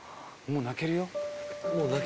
もう泣けるよ。